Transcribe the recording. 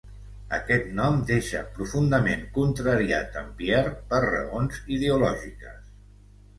Aquest nom deixa profundament contrariat en Pierre per raons ideològiques.